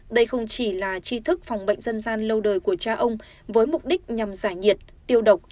đây không chỉ là chi thức phòng bệnh dân gian lâu đời của cha ông với mục đích nhằm giải nhiệt tiêu độc